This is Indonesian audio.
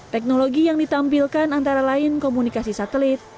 teknologi yang ditampilkan antara lain komunikasi satelit